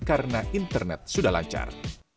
karena internet sudah lancar